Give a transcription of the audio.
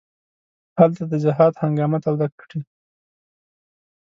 هلته د جهاد هنګامه توده کړي.